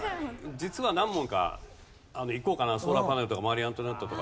実は何問かいこうかなソーラーパネルとかマリー・アントワネットとか。